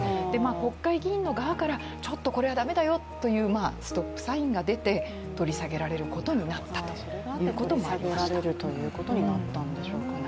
国会議員の側から、ちょっとこれは駄目だよというストップサインが出て取り下げられることになったということもありました。